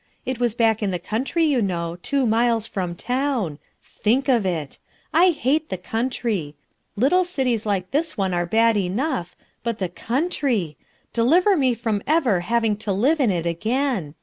It was back in the country, you know, two miles from town; think of it! I hate the country. Little cities like this one are bad enough, but the coun try .' Deliver me from ever having to live in it again.